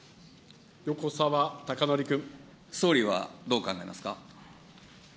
総理はどう考えますか。